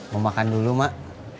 mau makan dulu emak